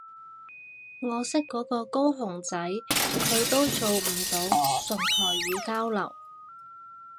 我識嗰個高雄仔佢都做唔到純台語交流